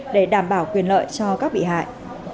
để đảm bảo quyền lợi cho các bị hại